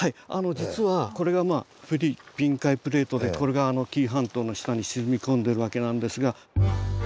実はこれがフィリピン海プレートでこれが紀伊半島の下に沈み込んでるわけなんですが。